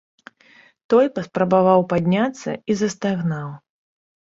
Той паспрабаваў падняцца і застагнаў.